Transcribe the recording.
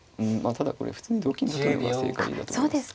ただこれ普通に同金と取るのが正解だと思います。